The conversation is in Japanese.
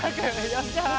やった！